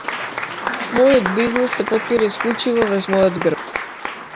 Мојот бизнис се потпира исклучиво врз мојот грб.